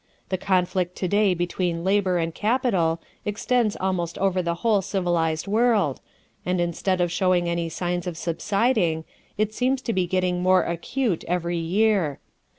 The conflict to day between labor and capital extends almost over the whole civilized world, and instead of showing any signs of subsiding, it seems to be getting more acute every year.